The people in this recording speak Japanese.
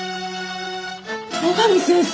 野上先生！